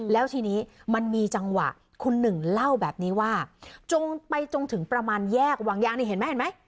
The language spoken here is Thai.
แล้วทีนี้มันมีจังหวะคุณหนึ่งเล่าแบบนี้ว่าจงไปจนถึงประมาณแยกวังยางนี่เห็นไหมเห็นไหม